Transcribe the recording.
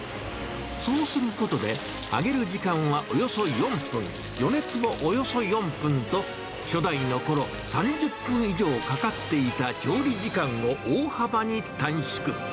そうすることで、揚げる時間はおよそ４分、余熱もおよそ４分と、初代のころ、３０分以上かかっていた調理時間を大幅に短縮。